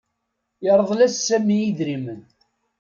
Yerḍel-s Sami idrimen.